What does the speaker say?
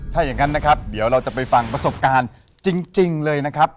ถ้าอย่างนั้นนะครับเดี๋ยวเราจะไปฟังประสบการณ์จริงเลยนะครับ